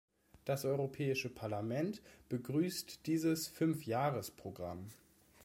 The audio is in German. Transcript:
Das Europäische Parlament begrüßt dieses Fünf-Jahres-Programm.